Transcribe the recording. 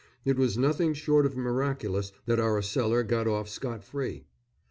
It was nothing short of miraculous that our cellar got off scot free.